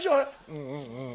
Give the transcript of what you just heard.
うんうんうん。